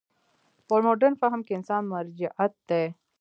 په مډرن فهم کې انسان مرجعیت دی.